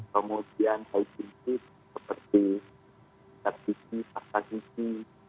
kemudian hai cincis seperti sardis sardis kisi sardis kisi